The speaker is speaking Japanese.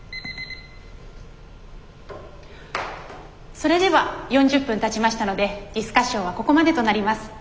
それでは４０分たちましたのでディスカッションはここまでとなります。